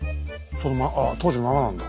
当時のままなんだ？